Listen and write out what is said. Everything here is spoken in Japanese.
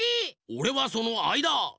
おれはそのあいだ！